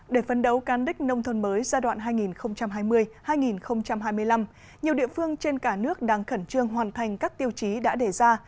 để phấn đấu cán đích nông thôn mới giai đoạn hai nghìn hai mươi hai nghìn hai mươi năm nhiều địa phương trên cả nước đang khẩn trương hoàn thành các tiêu chí đã đề ra